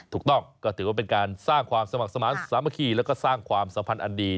ถูกต้องก็ถือว่าเป็นการสร้างความสมัครสมาธิสามัคคีแล้วก็สร้างความสัมพันธ์อันดี